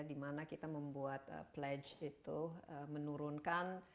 di mana kita membuat pledge itu menurunkan